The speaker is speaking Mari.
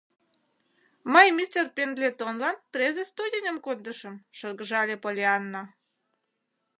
Мый мистер Пендлетонлан презе студеньым кондышым, — шыргыжале Поллианна.